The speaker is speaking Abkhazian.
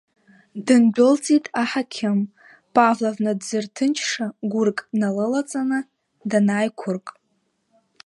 Дындәылҵит аҳақьым, Павловна дзырҭынчша гәырк налылаҵаны данаиқәырк.